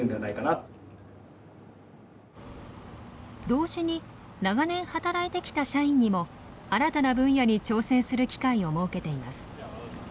同時に長年働いてきた社員にも新たな分野に挑戦する機会を設けています。